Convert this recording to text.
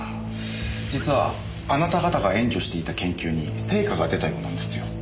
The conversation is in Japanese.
実はあなた方が援助していた研究に成果が出たようなんですよ。